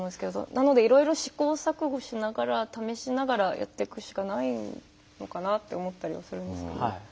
なのでいろいろ試行錯誤しながら試しながらやっていくしかないのかなって思ったりはするんですけど。